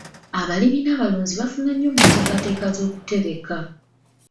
Abalimi n'abalunzi bafuna nnyo mu nteekateeka z'okutereka